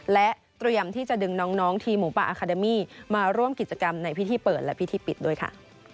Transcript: และเตรียมที่จะดึงน้องทีมหมูป่าอาคาเดมี่มาร่วมกิจกรรมในพิธีเปิดและพิธีปิดด้วยค่ะ